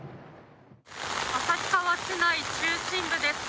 旭川市内中心部です。